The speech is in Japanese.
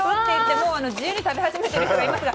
もう自由に食べ始めている人がいますが。